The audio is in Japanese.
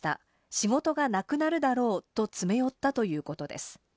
仕事がなくなるだろうと詰め寄ったということです。